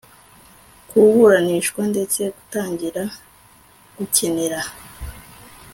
kuburanishwa ndetse batangira gukenera